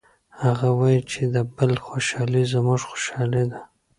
هغه وایي چې د بل خوشحالي زموږ خوشحالي ده